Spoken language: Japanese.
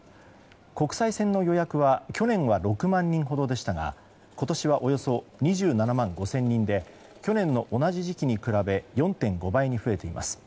国際線の予約は去年は６万人ほどでしたが今年はおよそ２７万５０００人で去年の同じ時期に比べ４．５倍に増えています。